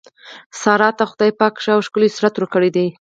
سارې ته خدای پاک ښه او ښکلی صورت ورکړی دی.